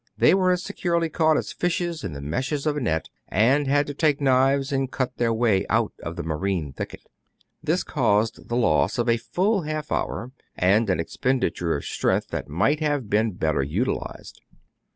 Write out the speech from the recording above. They were as securely caught as fishes in the meshes of a net, and had to take knives, and cut their way out of the marine thicket. This caused the loss of a full half hour, and an expenditure of strength that might have been better utilized.